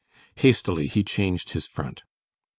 Hastily he changed his front.